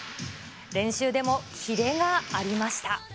練習でもきれがありました。